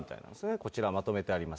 こちら、まとめてあります。